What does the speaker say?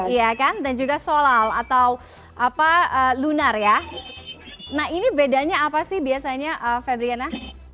iya kan dan juga solal atau apa lunar ya nah ini bedanya apa sih biasanya febriana